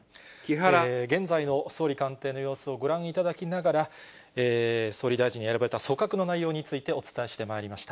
現在の総理官邸の様子をご覧いただきながら、総理大臣に選ばれた組閣の内容について、お伝えしてまいりました。